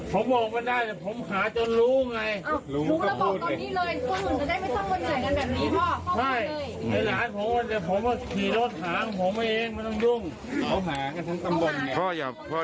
ใช่ไอ้หลานผมแต่ผมก็ขี่รถทางผมเองไม่ต้องรุ่ง